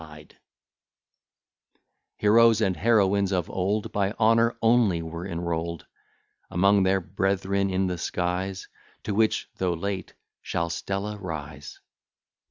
Heroes and heroines of old, By honour only were enroll'd Among their brethren in the skies, To which (though late) shall Stella rise.